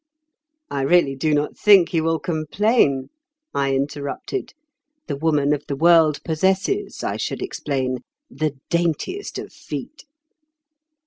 "I really do not think he will complain," I interrupted. The Woman of the World possesses, I should explain, the daintiest of feet.